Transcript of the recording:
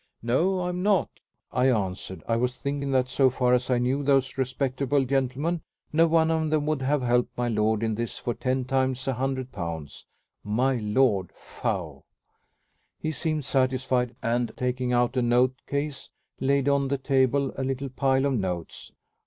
"No, I am not," I answered. I was thinking that, so far as I knew those respectable gentlemen, no one of them would have helped my lord in this for ten times a hundred pounds. My lord! Faugh! He seemed satisfied, and taking out a note case laid on the table a little pile of notes.